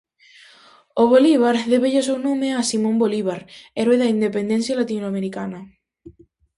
O bolívar débelle o seu nome a Simón Bolívar, heroe da independencia latinoamericana.